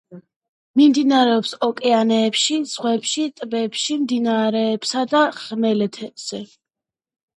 მიმდინარეობს ოკეანეებში, ზღვებში, ტბებში, მდინარეებსა და ხმელეთზე.